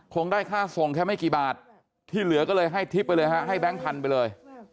ได้ค่าส่งแค่ไม่กี่บาทที่เหลือก็เลยให้ทิพย์ไปเลยฮะให้แบงค์พันธุ์ไปเลย